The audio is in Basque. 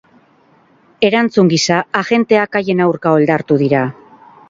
Erantzun gisa, agenteak haien aurka oldartu dira.